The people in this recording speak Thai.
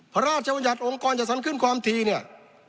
พระราชบัญญัติองค์กรจัดสรรขึ้นความทีเนี่ย